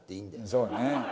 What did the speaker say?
そうだね。